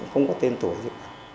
không có tên tuổi gì